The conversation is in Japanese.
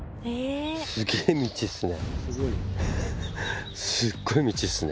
すげえ道っすね。